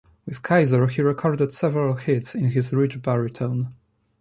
With Kyser he recorded several hits in his rich baritone.